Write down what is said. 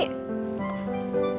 apa tuh pak